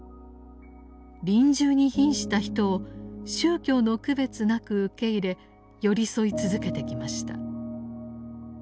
臨終に瀕した人を宗教の区別なく受け入れ寄り添い続けてきました。